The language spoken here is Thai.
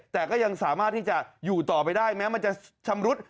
แต่ก็ยังสามารถที่จะอยู่ต่อไปได้แม้มันจะชำรุด